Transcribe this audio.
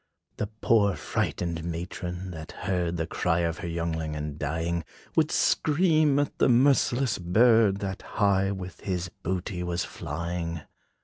The poor frighted matron, that heard The cry of her youngling in dying, Would scream at the merciless bird, That high with his booty was flying.